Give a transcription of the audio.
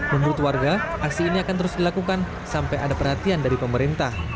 menurut warga aksi ini akan terus dilakukan sampai ada perhatian dari pemerintah